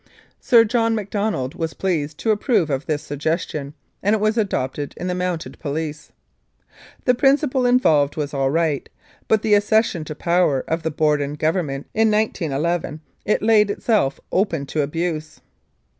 Sir John Macdonald was pleased to approve of this suggesr tion, and it was adopted in the Mounted Police. The principle involved was all right, but with the accession to power of the Borden Government in 1911 it laid itself open to abuse.